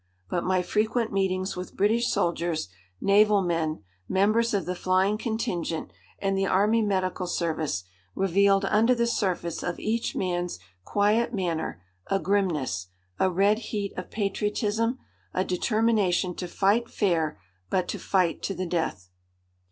But my frequent meetings with British soldiers, naval men, members of the flying contingent and the army medical service, revealed under the surface of each man's quiet manner a grimness, a red heat of patriotism, a determination to fight fair but to fight to the death.